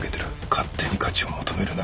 勝手に価値を求めるな。